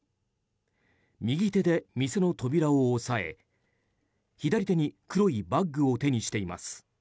右手で店の扉を押さえ、左手に黒いバッグを手にしています。